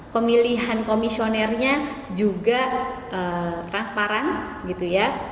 pemilihan komisionernya juga transparan gitu ya